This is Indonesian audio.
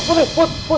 bu putri putri putri